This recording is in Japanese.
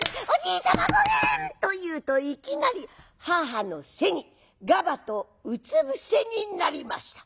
「おじい様ごめん！」と言うといきなり母の背にガバとうつ伏せになりました。